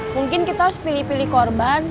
mungkin kita harus pilih pilih korban